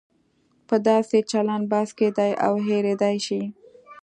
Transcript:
په داسې چلن بحث کېدای او هېریدای شي.